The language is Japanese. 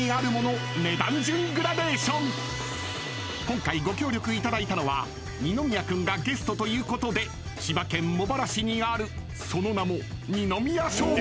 ［今回ご協力いただいたのは二宮君がゲストということで千葉県茂原市にあるその名も二宮小学校］